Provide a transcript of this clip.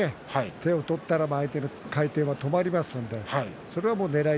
手を取ったら相手の回転が止まります。